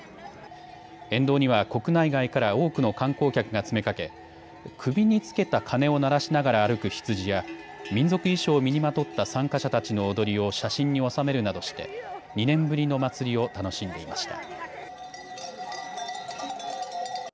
沿道には国内外から多くの観光客が詰めかけ首につけた鐘を鳴らしながら歩く羊や、民族衣装を身にまとった参加者たちの踊りを写真に収めるなどして２年ぶりの祭りを楽しんでいました。